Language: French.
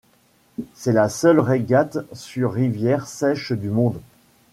C’est la seule régate sur rivière sèche du monde.